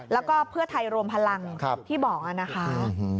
แล้วก็เพื่อไทยรวมพลังที่บอกนะคะ